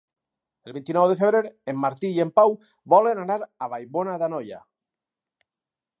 El vint-i-nou de febrer en Martí i en Pau volen anar a Vallbona d'Anoia.